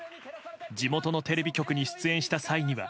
地元のテレビ局に出演した際には。